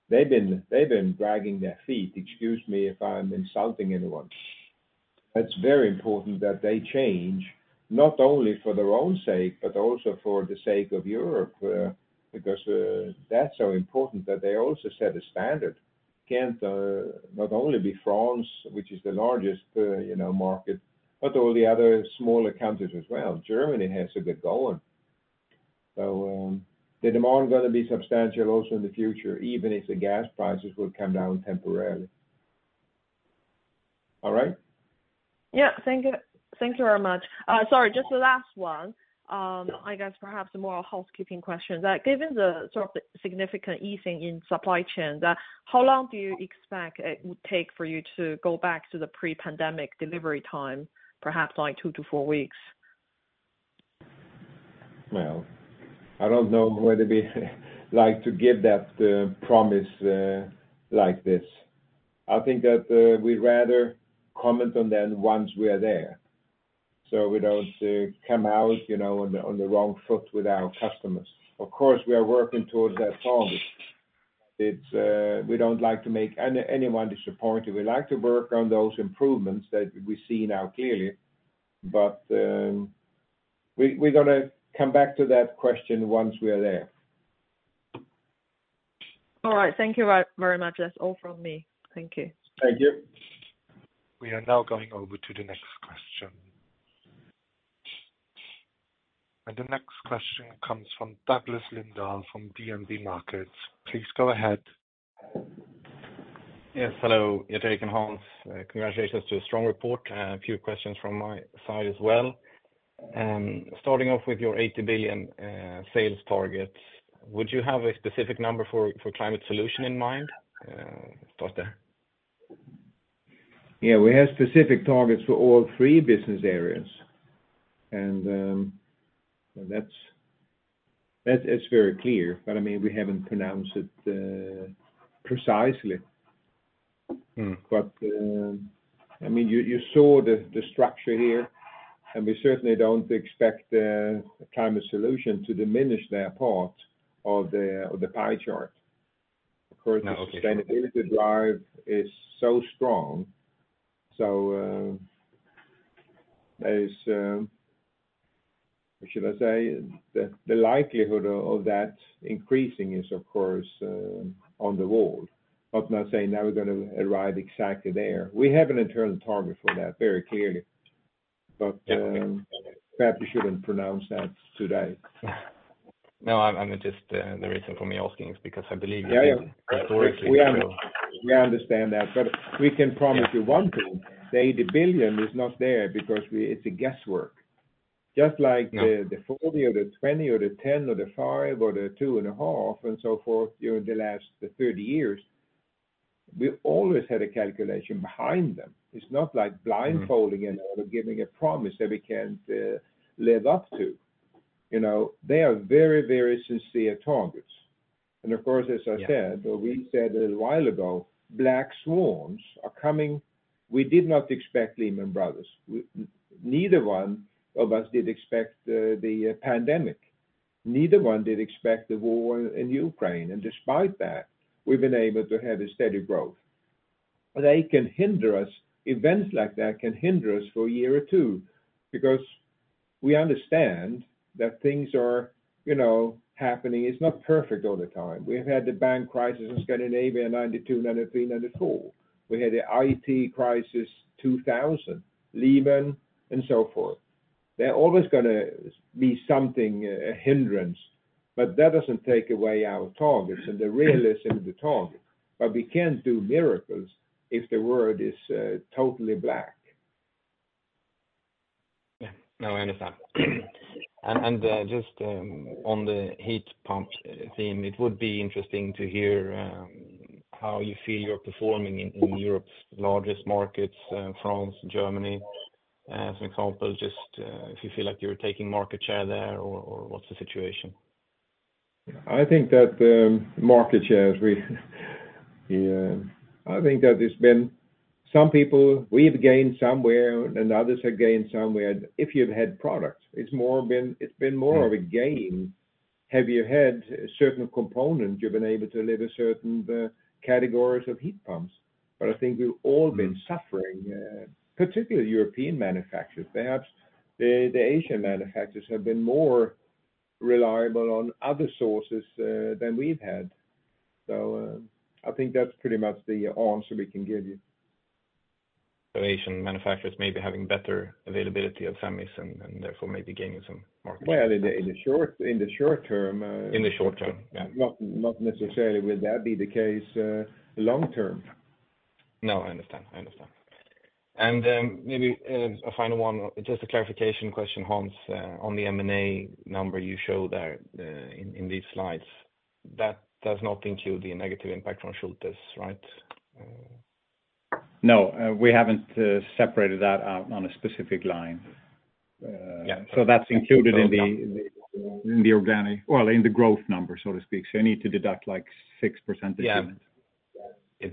They've been dragging their feet, excuse me if I'm insulting anyone. It's very important that they change, not only for their own sake, but also for the sake of Europe, because that's so important that they also set a standard. Can't, not only be France, which is the largest, you know, market, but all the other smaller countries as well. Germany has to get going. The demand is gonna be substantial also in the future, even if the gas prices will come down temporarily. All right? Yeah. Thank you. Thank you very much. Sorry, just the last one. I guess perhaps a more housekeeping question. Given the sort of significant easing in supply chains, how long do you expect it would take for you to go back to the pre-pandemic delivery time? Perhaps like two to four weeks. Well, I don't know whether we like to give that promise like this. I think that we'd rather comment on that once we're there. We don't come out, you know, on the wrong foot with our customers. Of course, we are working towards that target. It's we don't like to make anyone disappointed. We like to work on those improvements that we see now clearly. We, we're gonna come back to that question once we're there. All right. Thank you very much. That's all from me. Thank you. Thank you. We are now going over to the next question. The next question comes from Douglas Lindahl from DNB Markets. Please go ahead. Yes, hello, Eirik and Hans. Congratulations to a strong report. A few questions from my side as well. Starting off with your 80 billion sales target, would you have a specific number for Climate Solutions in mind, total? Yeah. We have specific targets for all three business areas, and, that's, it's very clear, but I mean, we haven't pronounced it, precisely. Mm. I mean, you saw the structure here, and we certainly don't expect the Climate Solutions to diminish their part of the pie chart. Of course. No. Okay. The sustainability drive is so strong. There's, what should I say? The likelihood of that increasing is, of course, on the wall. I'm not saying now we're gonna arrive exactly there. We have an internal target for that very clearly. Yeah Perhaps we shouldn't pronounce that today. No, I'm just. The reason for me asking is because I believe. Yeah, yeah. Historically, you know. We understand that, but we can promise. Yeah. We want to. The 80 billion is not there because it's a guesswork. Yeah. The 40 billion or the 20 billion or the 10 billion or the 5 billion or the 2.5 billion SEK and so forth during the last, the 30 years, we've always had a calculation behind them. It's not like blindfolding. Mm-hmm. In order giving a promise that we can't live up to. You know, they are very, very sincere targets. Of course, as I said. Yeah. Or we said a while ago, black swans are coming. We did not expect Lehman Brothers. Neither one of us did expect the pandemic. Neither one did expect the war in Ukraine. Despite that, we've been able to have a steady growth. They can hinder us, events like that can hinder us for a year or two because we understand that things are, you know, happening. It's not perfect all the time. We've had the bank crisis in Scandinavia in 1992, 1993, 1994. We had the IT crisis 2000, Lehman and so forth. There are always gonna be something, a hindrance. That doesn't take away our targets and the realism of the target. We can't do miracles if the world is totally black. Yeah. No, I understand. Just, on the heat pump, theme, it would be interesting to hear, how you feel you're performing in Europe's largest markets, France, Germany, as an example, just, if you feel like you're taking market share there or, what's the situation? I think that market share is. Yeah. I think that it's been some people, we've gained somewhere and others have gained somewhere. If you've had products, it's been more of a game. Have you had certain components, you've been able to deliver certain categories of heat pumps. I think we've all been suffering, particularly European manufacturers. Perhaps the Asian manufacturers have been more reliable on other sources than we've had. I think that's pretty much the answer we can give you. The Asian manufacturers may be having better availability of families and therefore may be gaining some market. Well, in the short term. In the short term, yeah. Not necessarily will that be the case, long term. No, I understand. I understand. Maybe, a final one, just a clarification question, Hans, on the M&A number you show there, in these slides, that does not include the negative impact from Schulthess, right? No, we haven't separated that out on a specific line. Yeah. That's included in the growth number, so to speak. You need to deduct like six percentage units. Yeah. It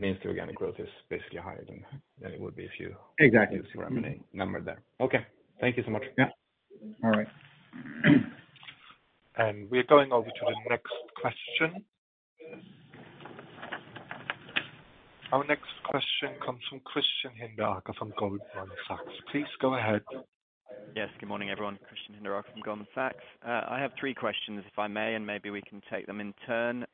means the organic growth is basically higher than it would be. Exactly. Used the M&A number there. Okay. Thank you so much. Yeah. All right. We're going over to the next question. Our next question comes from Christian Hinderaker from Goldman Sachs. Please go ahead. Yes. Good morning, everyone. Christian Hinderaker from Goldman Sachs. I have three questions, if I may, and maybe we can take them in turn.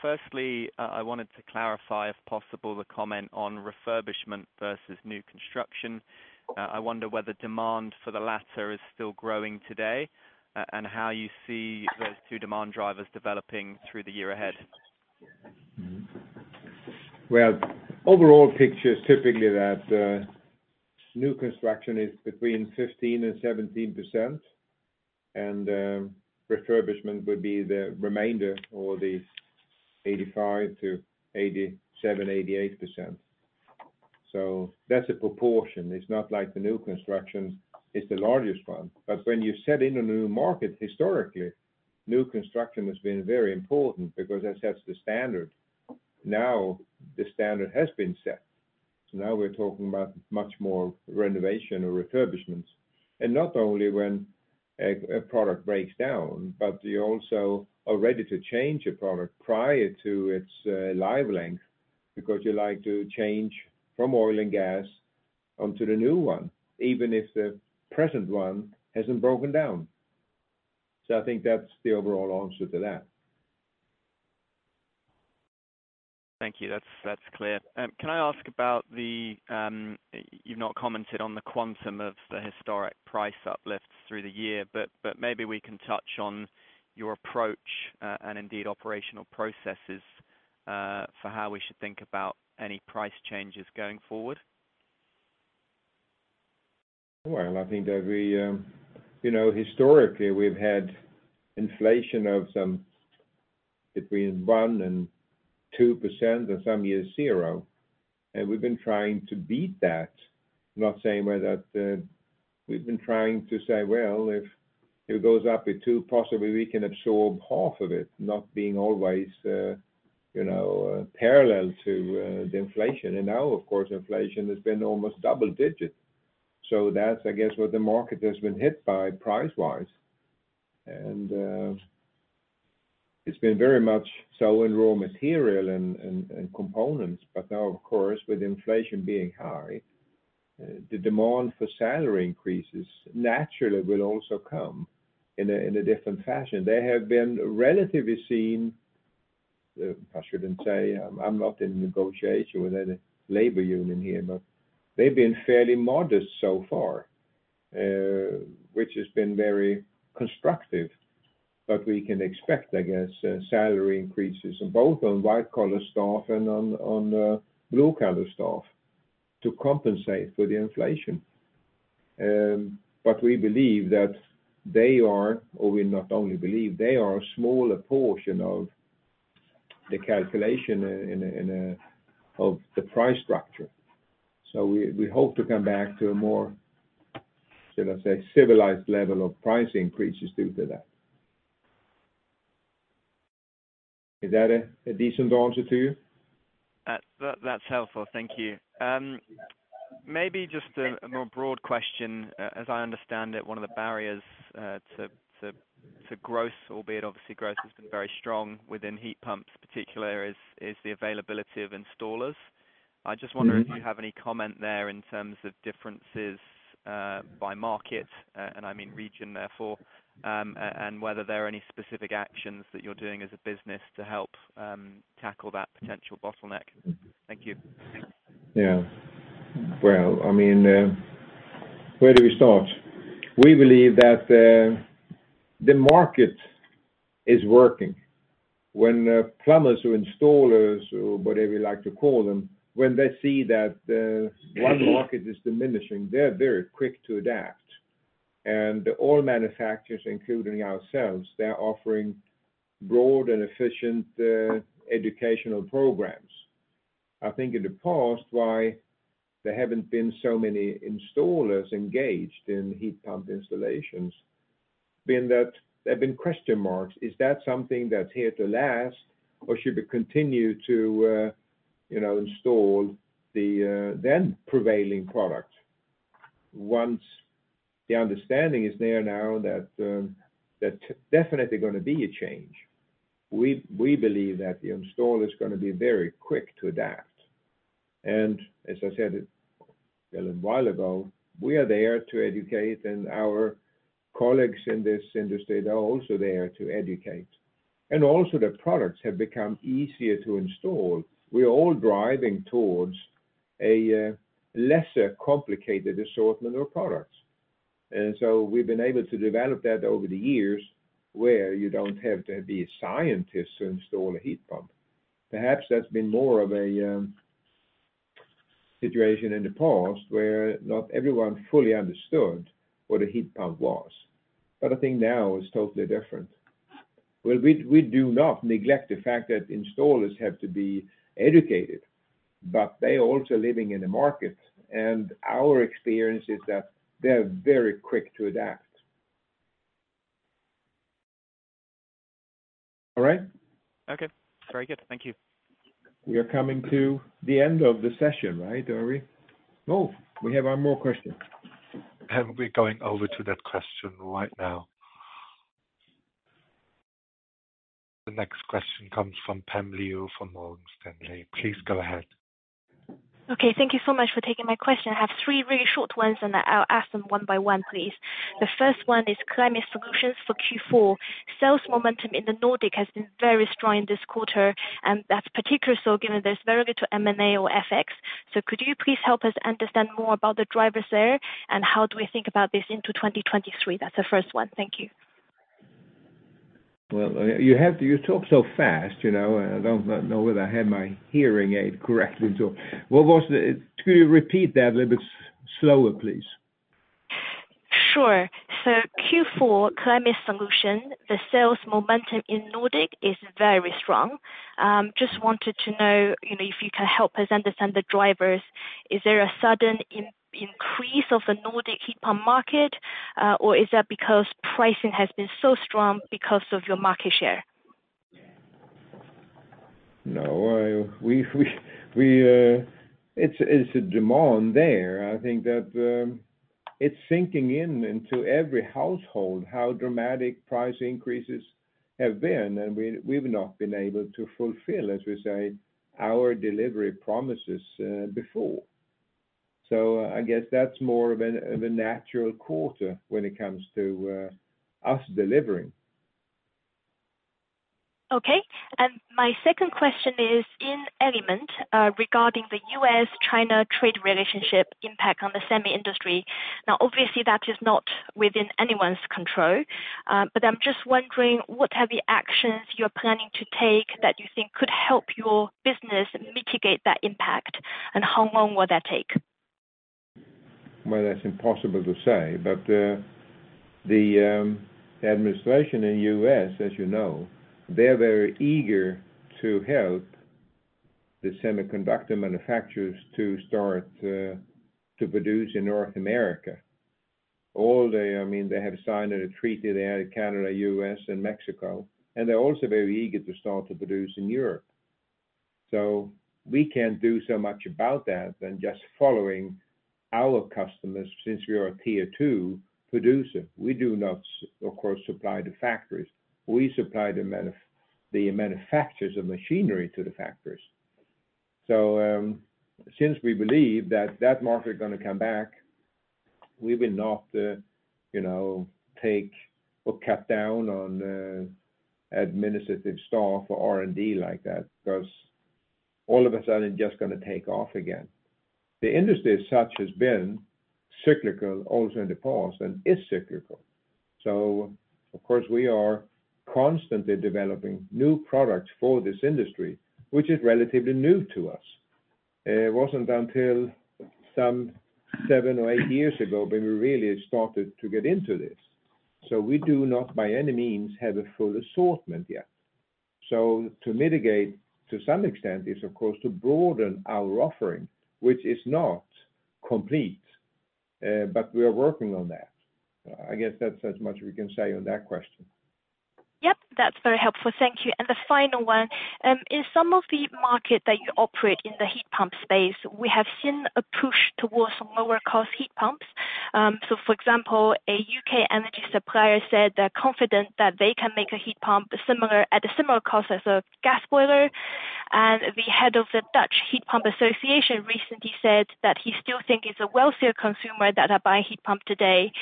Firstly, I wanted to clarify, if possible, the comment on refurbishment versus new construction. I wonder whether demand for the latter is still growing today, and how you see those two demand drivers developing through the year ahead. Overall picture is typically that new construction is between 15% and 17%, and refurbishment would be the remainder or the 85%-87%, 88%. That's a proportion. It's not like the new construction is the largest one. When you set in a new market historically, new construction has been very important because that sets the standard. Now, the standard has been set. Now we're talking about much more renovation or refurbishments. Not only when a product breaks down, but you also are ready to change a product prior to its life length because you like to change from oil and gas onto the new one, even if the present one hasn't broken down. I think that's the overall answer to that. Thank you. That's clear. Can I ask about the... You've not commented on the quantum of the historic price uplifts through the year, but maybe we can touch on your approach, and indeed operational processes, for how we should think about any price changes going forward. Well, I think that we, you know, historically, we've had inflation of some between 1% and 2%, or some years 0%, and we've been trying to beat that. Not saying whether, we've been trying to say, well, if it goes up at 2%, possibly we can absorb half of it, not being always, you know, parallel to the inflation. Now, of course, inflation has been almost double-digit. That's, I guess, what the market has been hit by price-wise. It's been very much so in raw material and components. Now, of course, with inflation being high, the demand for salary increases naturally will also come in a different fashion. They have been relatively seen, I shouldn't say, I'm not in negotiation with any labor union here, but they've been fairly modest so far, which has been very constructive. We can expect, I guess, salary increases both on white collar staff and on blue collar staff to compensate for the inflation. We believe that they are, or we not only believe they are a smaller portion of the calculation of the price structure. We, we hope to come back to a more, should I say, civilized level of price increases due to that. Is that a decent answer to you? That's helpful. Thank you. Maybe just a more broad question. As I understand it, one of the barriers to growth, albeit obviously growth has been very strong within heat pumps particularly is the availability of installers. Mm-hmm. I just wonder if you have any comment there in terms of differences, by market, and I mean region therefore, and whether there are any specific actions that you're doing as a business to help, tackle that potential bottleneck. Thank you. Yeah. Well, I mean, where do we start? We believe that the market is working. When plumbers or installers or whatever you like to call them, when they see that one market is diminishing, they're very quick to adapt. All manufacturers, including ourselves, they are offering broad and efficient educational programs. I think in the past, why there haven't been so many installers engaged in heat pump installations being that there have been question marks. Is that something that's here to last, or should we continue to, you know, install the then prevailing product? Once the understanding is there now that that's definitely gonna be a change, we believe that the installer is gonna be very quick to adapt. As I said a little while ago, we are there to educate, and our colleagues in this industry, they're also there to educate. The products have become easier to install. We are all driving towards a lesser complicated assortment of products. We've been able to develop that over the years, where you don't have to be a scientist to install a heat pump. Perhaps that's been more of a situation in the past where not everyone fully understood what a heat pump was, but I think now it's totally different. Well, we do not neglect the fact that installers have to be educated, but they are also living in the market. Our experience is that they're very quick to adapt. All right? Okay. Very good. Thank you. We are coming to the end of the session, right? Are we? No, we have one more question. We're going over to that question right now. The next question comes from Pam Liu from Morgan Stanley. Please go ahead. Okay. Thank you so much for taking my question. I have three very short ones, I'll ask them one by one, please. The first one is climate solutions for Q4. Sales momentum in the Nordic has been very strong this quarter, That's particularly so given there's very little M&A or FX. Could you please help us understand more about the drivers there, and how do we think about this into 2023? That's the first one. Thank you. Well, you talk so fast, you know. I don't know whether I have my hearing aid correctly. Could you repeat that a little bit slower, please? Sure. Q4 Climate Solutions, the sales momentum in Nordic is very strong. Just wanted to know, you know, if you can help us understand the drivers. Is there a sudden in-increase of the Nordic heat pump market, or is that because pricing has been so strong because of your market share? No. It's a demand there. I think that, it's sinking in into every household, how dramatic price increases have been. We've not been able to fulfill, as we say, our delivery promises, before. I guess that's more of a natural quarter when it comes to us delivering. Okay. My second question is, in Element, regarding the U.S. China trade relationship impact on the semi industry. Obviously that is not within anyone's control. I'm just wondering, what are the actions you're planning to take that you think could help your business mitigate that impact? How long will that take? Well, that's impossible to say. The administration in U.S., as you know, they're very eager to help the semiconductor manufacturers to start to produce in North America. I mean, they have signed a treaty there, Canada, U.S. and Mexico, and they're also very eager to start to produce in Europe. We can't do so much about that than just following our customers since we are a Tier 2 producer. We do not, of course, supply the factories. We supply the manufacturers of machinery to the factories. Since we believe that that market is gonna come back, we will not, you know, take or cut down on administrative staff or R&D like that, 'cause all of a sudden, it's just gonna take off again. The industry as such has been cyclical also in the past and is cyclical. Of course, we are constantly developing new products for this industry, which is relatively new to us. It wasn't until some seven or eight years ago when we really started to get into this. We do not, by any means, have a full assortment yet. To mitigate to some extent is of course to broaden our offering, which is not complete, but we are working on that. I guess that's as much as we can say on that question. Yep. That's very helpful. Thank you. The final one, in some of the market that you operate in the heat pump space, we have seen a push towards lower cost heat pumps. For example, a U.K. energy supplier said they're confident that they can make a heat pump similar, at a similar cost as a gas boiler. The head of the Dutch Heat Pump Association recently said that he still think it's a wealthier consumer that are buying heat pump today.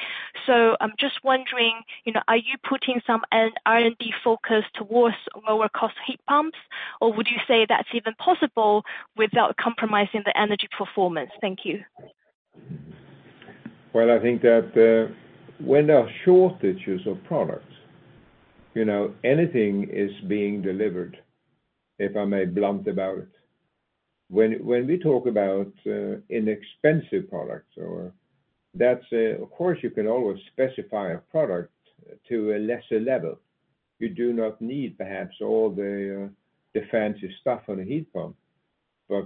I'm just wondering, you know, are you putting some R&D focus towards lower cost heat pumps? Would you say that's even possible without compromising the energy performance? Thank you. I think that when there are shortages of products, you know, anything is being delivered, if I may blunt about. When we talk about inexpensive products or of course you can always specify a product to a lesser level. You do not need perhaps all the fancy stuff on a heat pump.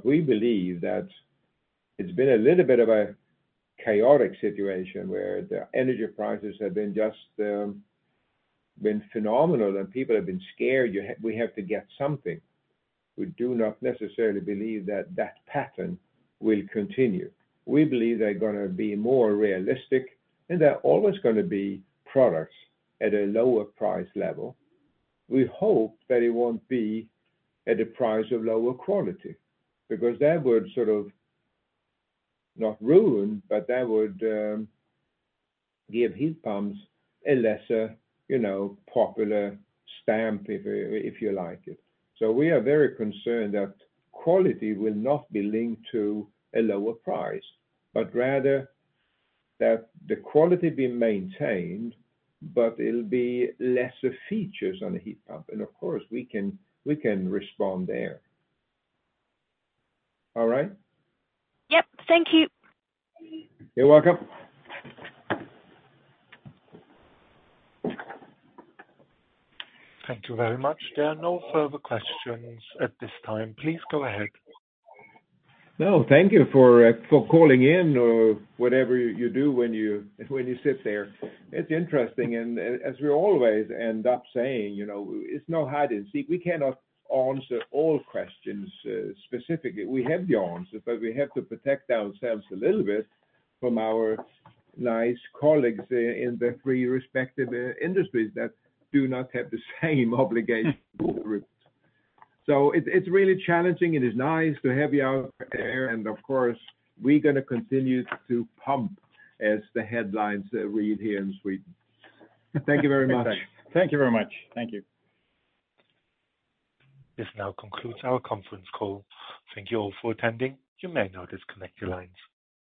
We believe that it's been a little bit of a chaotic situation where the energy prices have been just been phenomenal, and people have been scared. We have to get something. We do not necessarily believe that that pattern will continue. We believe they're gonna be more realistic, and there are always gonna be products at a lower price level. We hope that it won't be at the price of lower quality, because that would sort of not ruin, but that would give heat pumps a lesser, you know, popular stamp if you like it. We are very concerned that quality will not be linked to a lower price, but rather that the quality be maintained, but it'll be lesser features on the heat pump. Of course, we can respond there. All right? Yep. Thank you. You're welcome. Thank you very much. There are no further questions at this time. Please go ahead. No, thank you for for calling in or whatever you do when you, when you sit there. It's interesting, as we always end up saying, you know, it's no hide and seek. We cannot answer all questions specifically. We have the answers, we have to protect ourselves a little bit from our nice colleagues in the three respective industries that do not have the same obligation. It's really challenging. It is nice to have you out there. Of course, we're gonna continue to pump as the headlines read here in Sweden. Thank you very much. Thank you very much. Thank you. This now concludes our conference call. Thank You all for attending. You may now disconnect your lines.